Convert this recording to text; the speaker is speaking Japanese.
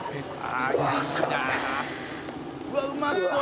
「うわっうまそう！」